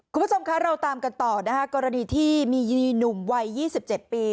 คุณผู้ชมคะเราตามกันต่อนะคะกรณีที่มีหนุ่มวัย๒๗ปี